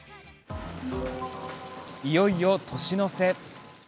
いよいよ年の瀬。